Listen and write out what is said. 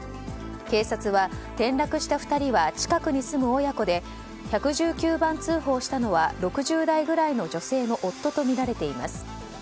警察は、転落した２人は近くに住む親子で１１９番通報したのは６０代ぐらいの女性の夫とみられています。